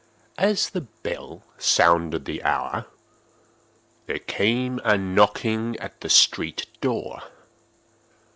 As the bell sounded the hour, there came a knocking at the street door.